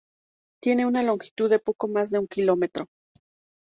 Tiene una longitud de poco más de un kilómetro.